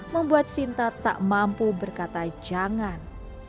membuat sinta tak mampu berkata jangan